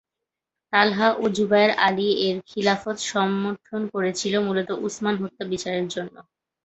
তালহা ও জুবায়ের আলী এর খিলাফত সমর্থন করেছিল মূলত উসমান হত্যা বিচারের জন্য।